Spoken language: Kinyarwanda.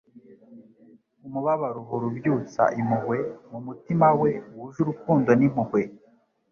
Umubabaro uhora ubyutsa impuhwe, mu mutima we wuje urukundo n'impuhwe.